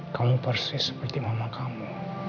kamu persis seperti mama kamu